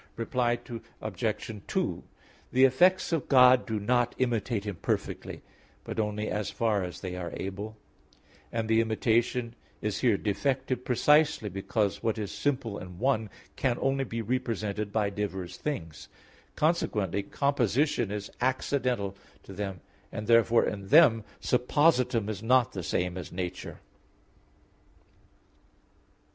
Reply Obj. 2: The effects of God do not imitate Him perfectly, but only as far as they are able; and the imitation is here defective, precisely because what is simple and one, can only be represented by divers things; consequently, composition is accidental to them, and therefore, in them suppositum is not the same as nature.